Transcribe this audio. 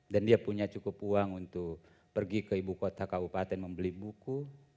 dan dia punya cukup uang untuk pergi ke ibu kota ke upaten membeli buku